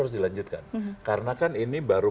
harus dilanjutkan karena kan ini baru